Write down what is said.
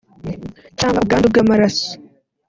cyangwa ubwandu bw’amaraso